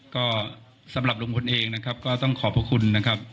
ก็สำหรับลุงพลเองนะครับก็ต้องขอบพระคุณนะครับ